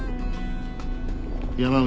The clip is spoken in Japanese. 山内